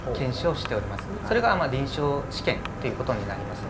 それがまあ臨床試験っていうことになりますね。